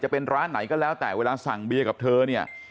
เป็นร้านไหนก็แล้วแต่เวลาสั่งเบียร์กับเธอเนี่ย